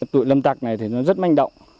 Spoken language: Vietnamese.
tội lâm tạc này thì nó rất manh động